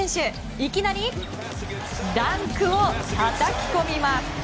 いきなりダンクをたたき込みます。